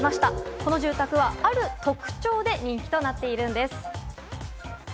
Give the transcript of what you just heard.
この住宅はある特徴で人気となっているんです。